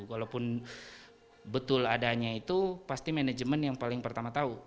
kalaupun betul adanya itu pasti manajemen yang paling pertama tahu